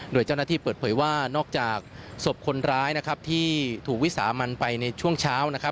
โดยเจ้าหน้าที่เปิดเผยว่านอกจากศพคนร้ายนะครับที่ถูกวิสามันไปในช่วงเช้านะครับ